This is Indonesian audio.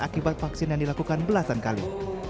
akibat vaksin yang dilakukan belasan kali